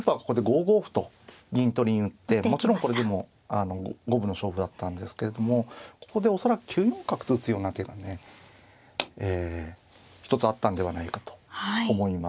もちろんこれでも五分の勝負だったんですけれどもここで恐らく９四角と打つような手がね一つあったんではないかと思います。